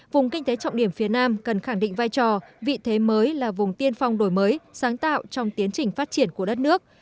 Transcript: vùng kinh tế trọng điểm phía nam cần khẳng định vai trò vị thế mới là vùng tiên phong đổi mới sáng tạo trong tiến trình phát triển của đất nước